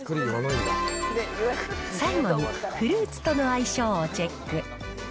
最後に、フルーツとの相性をチェック。